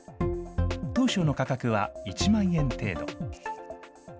当初の価格は１万円程度。